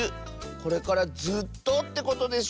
これからずっとってことでしょ。